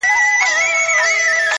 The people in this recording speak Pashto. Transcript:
ځوان لگيا دی ـ